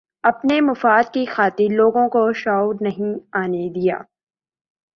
اپنے مفاد کی خاطرلوگوں کو شعور نہیں آنے دیا